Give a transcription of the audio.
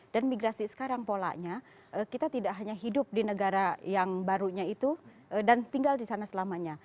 dan migrasi sekarang polanya kita tidak hanya hidup di negara yang barunya itu dan tinggal di sana selamanya